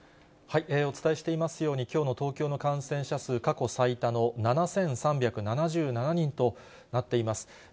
お伝えしていますように、きょうの東京の感染者数、過去最多の７３７７人となっています。